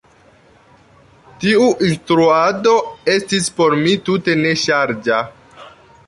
Tiu instruado estis por mi tute ne ŝarĝa.